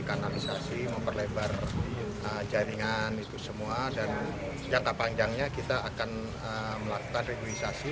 kanalisasi memperlebar jaringan itu semua dan jangka panjangnya kita akan melakukan reduisasi